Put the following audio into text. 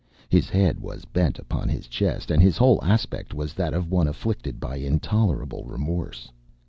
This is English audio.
His head was bent upon his chest, and his whole aspect was that of one afflicted by intolerable remorse.